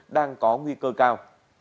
đang có nguy cơ cao